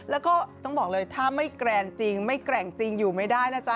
แล้วก็ต้องบอกเลยถ้าไม่แกรนจริงไม่แกร่งจริงอยู่ไม่ได้นะจ๊